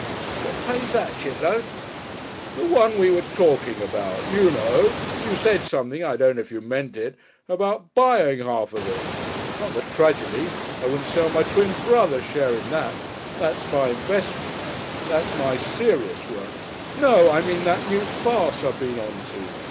"What play's that, Chit'low?" "The one we were talking about. You know. You said something I don't know if you meant it about buying half of it. Not the tragedy. I wouldn't sell my twin brother a share in that. That's my investment. That's my Serious Work. No! I mean that new farce I've been on to.